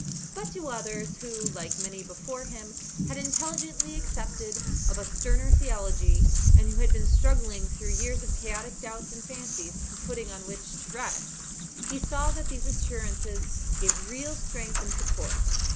But to others who, like many before him, had intelligently accepted of a sterner theology, and who had been struggling through years of chaotic doubts and fancies for footing on which to rest, he saw that these assurances gave real strength and support.